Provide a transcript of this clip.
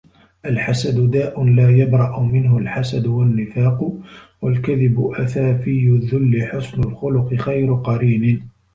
الحسد داء لا يبرأ منه الحسد والنفاق والكذب أثافي الذل حُسْنُ الخلق خير قرين